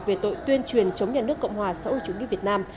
về tội tuyên truyền chống nhà nước cộng hòa xã hội chủ nghĩa việt nam